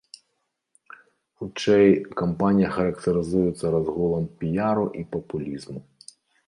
Хутчэй, кампанія характарызуецца разгулам піяру і папулізму.